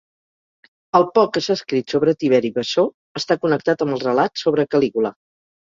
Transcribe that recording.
El poc que s'ha escrit sobre Tiberi Bessó està connectat amb els relats sobre Calígula.